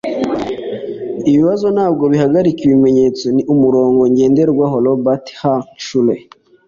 ibibazo ntabwo bihagarika ibimenyetso, ni umurongo ngenderwaho. - robert h. schuller